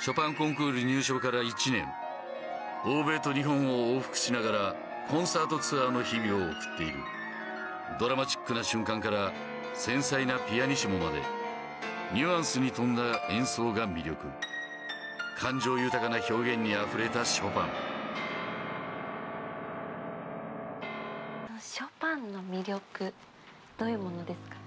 ショパンコンクール入賞から１年欧米と日本を往復しながらコンサートツアーの日々を送っているドラマチックな瞬間から繊細なピアニッシモまでニュアンスに富んだ演奏が魅力感情豊かな表現にあふれたショパンショパンの魅力どういうものですか？